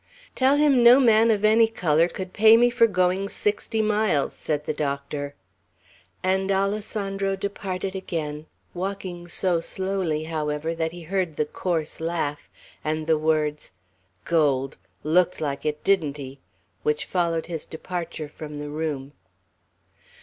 "Tell him no man of any color could pay me for going sixty miles!" said the doctor. And Alessandro departed again, walking so slowly, however, that he heard the coarse laugh, and the words, "Gold! Looked like it, didn't he?" which followed his departure from the room.